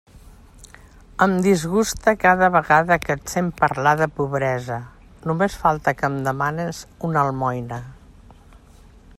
Em disguste cada vegada que et sent parlar de pobresa; només falta que em demanes una almoina.